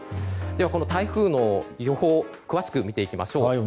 では、この台風の予報を詳しく見ていきましょう。